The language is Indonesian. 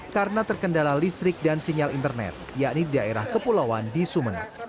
karena terkendala listrik dan sinyal internet yakni di daerah kepulauan di sumen